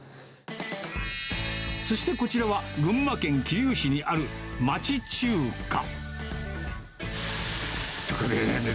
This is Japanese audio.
そして、こちらは群馬県桐生市にある町中華。